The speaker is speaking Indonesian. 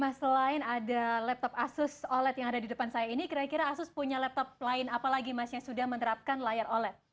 mas selain ada laptop asus oled yang ada di depan saya ini kira kira asus punya laptop lain apalagi mas yang sudah menerapkan layar oled